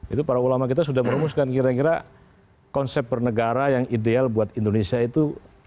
itu para ulama kita sudah merumuskan kira kira konsep bernegara yang ideal buat indonesia itu